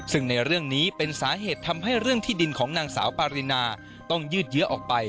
ซึ่งในเรื่องนี้เป็นสาเหตุทำให้เรื่องที่ดินของนางสาวปารินาต้องยืดเยื้อออกไป